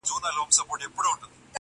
کلونه کېږي له زندانه اواز نه راوزي٫